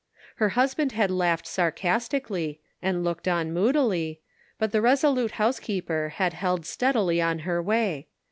Her husband had laughed sarcastically, and looked on moodily, but the resolute house keeper had held steadily on her way.